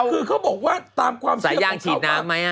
คือเขาบอกว่าตามความเชื่อของเขา